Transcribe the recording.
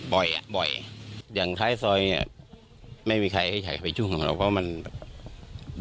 บ่อยอ่ะบ่อยอย่างท้ายซอยเนี้ยไม่มีใครให้ใครไปยุ่งของเราเพราะมันแบบ